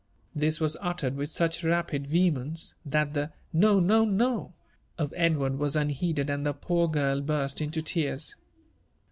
This was utl^ed with SAich rapid vehemence, that the '^ No J n^ ! no V of £dw4urd was unbeoded, .and the poor girl biir4 into teara.